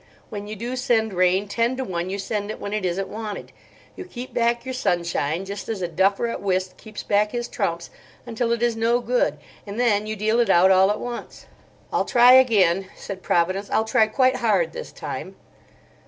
When you do send rain, ten to one you send it when it isn't wanted. You keep back your sunshine—just as a duffer at whist keeps back his trumps—until it is no good, and then you deal it out all at once." "I'll try again," said Providence. "I'll try quite hard this time."